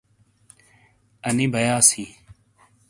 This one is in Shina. انی بیاص ہیں